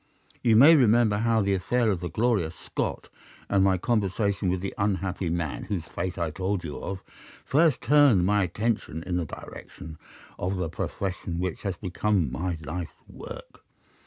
"You may remember how the affair of the Gloria Scott, and my conversation with the unhappy man whose fate I told you of, first turned my attention in the direction of the profession which has become my life's work.